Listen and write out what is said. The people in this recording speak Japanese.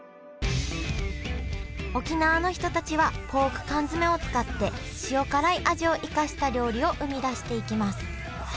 沖縄の人たちはポーク缶詰を使って塩辛い味を生かした料理を生み出していきます。